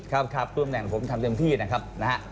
ครับครับตัวแม่งผมทำเต็มที่นะครับ